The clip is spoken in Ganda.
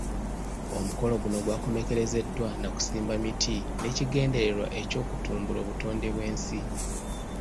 Omukolo guno gwakomekkerezeddwa nakusimba miti n'ekigendererwa eky'okutumbula obutonde bw'ensi.